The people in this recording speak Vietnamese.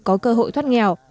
có cơ hội thoát nghèo